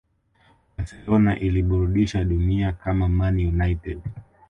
Barcelona iliburdisha dunia kama Man United